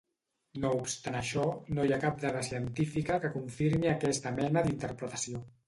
No obstant això, no hi ha cap dada científica que confirmi aquesta mena d'interpretació.